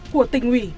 của tỉnh ủy